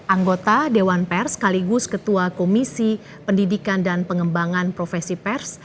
anggota dewan pers sekaligus ketua komisi pendidikan dan pengembangan profesi pers